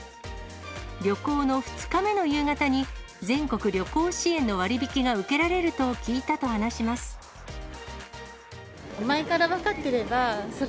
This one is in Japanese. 旅行の２日目の夕方に、全国旅行支援の割引が受けられると聞いたと話します。